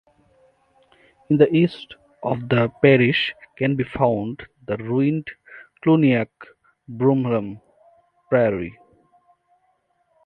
In the east of the parish can be found the ruined Cluniac Bromholm Priory.